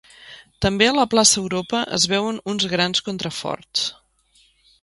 També a la plaça Europa es veuen uns grans contraforts.